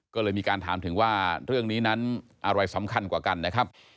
ก็เลยมีการถามถึงว่าเรื่องนี้นั้นอะไรสำคัญกว่ากันนะครับ